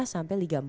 sampai liga empat